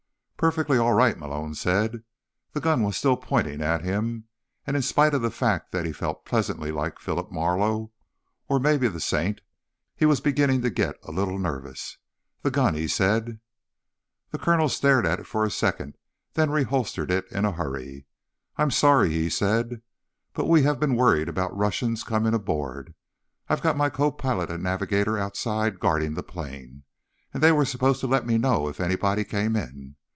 "Perfectly all right," Malone said. The gun was still pointing at him, and in spite of the fact that he felt pleasantly like Philip Marlowe, or maybe the Saint, he was beginning to get a little nervous. "The gun," he said. The colonel stared at it for a second, then reholstered it in a hurry. "I am sorry," he said. "But we've been worried about Russians coming aboard. I've got my copilot and navigator outside, guarding the plane, and they were supposed to let me know if anybody came in.